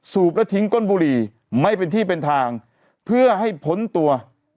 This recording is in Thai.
ูบแล้วทิ้งก้นบุหรี่ไม่เป็นที่เป็นทางเพื่อให้พ้นตัว